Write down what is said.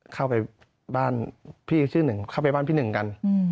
เข้าไปบ้านพี่ชื่อหนึ่งเข้าไปบ้านพี่หนึ่งกัน